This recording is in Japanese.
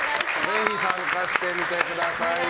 ぜひ、参加してみてください。